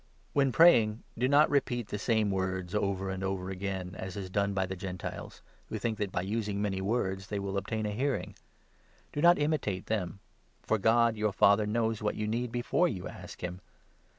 When 7 praying, do not repeat the same words over and over again, as is done by the Gentiles, who think that by using many words they will obtain a hearing. Do not imitate them ; for God, your 8 Father, knows what you need before you ask him.